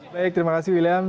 baik terima kasih william